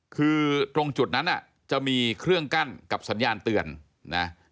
คือตรงจุดนั้นจะมีเครื่องกั้นกับสัญญาณเตือนนะ